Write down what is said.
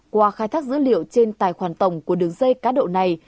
qua khai thác dữ liệu trên tài khoản tổng của đường dây cá độ này